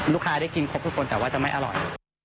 ได้กินครบทุกคนแต่ว่าจะไม่อร่อย